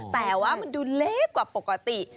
แต่ว่ามันดูเล็กกว่าปกติ